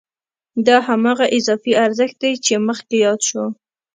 دا هماغه اضافي ارزښت دی چې مخکې یاد شو